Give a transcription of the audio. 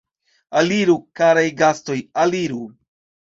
Aliru, karaj gastoj, aliru!